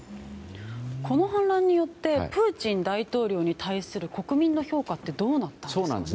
この反乱によってプーチン大統領に対する国民の評価ってどうなったんですか。